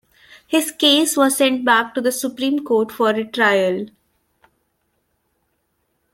His case was sent back to the Supreme Court for retrial.